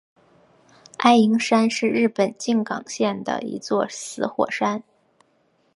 爱鹰山是日本静冈县的一座死火山。